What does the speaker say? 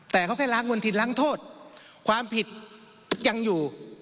แต่เขาแค่ล้างมณฑินล้างโทษความผิดยังอยู่